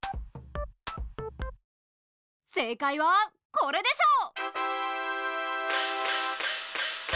正解はこれでしょう。